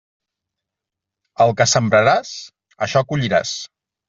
El que sembraràs, això colliràs.